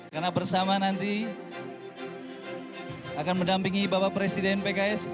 karena bersama nanti akan mendampingi bapak presiden pks